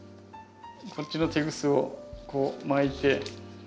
こっちのテグスをこう巻いて。